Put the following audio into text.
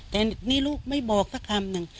แต่นี่ลูกไม่บอกสักคำหนึ่ง